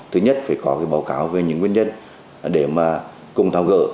thứ nhất phải có cái báo cáo về những nguyên nhân để mà cùng tháo gỡ